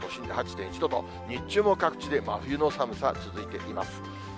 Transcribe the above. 東京都心で８．１度と、日中も各地で真冬の寒さ続いています。